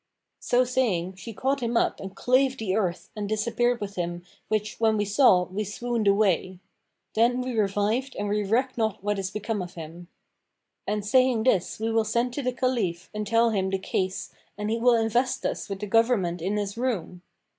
So saying, she caught him up and clave the earth and disappeared with him which when we saw, we swooned away. Then we revived and we reck not what is become of him.' And saying this we will send to the Caliph and tell him the case and he will invest us with the government in his room.